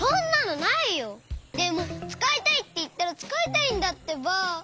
でもつかいたいっていったらつかいたいんだってば！